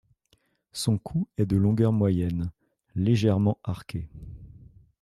Son cou est de longueur moyenne, légèrement arqué.